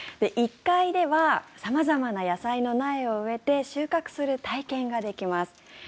１階では様々な野菜の苗を植えて収穫する体験ができます。